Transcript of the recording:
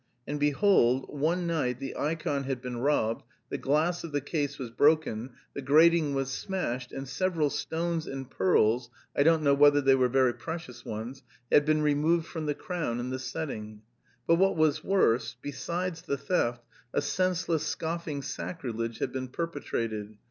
And behold, one night the ikon had been robbed, the glass of the case was broken, the grating was smashed and several stones and pearls (I don't know whether they were very precious ones) had been removed from the crown and the setting. But what was worse, besides the theft a senseless, scoffing sacrilege had been perpetrated.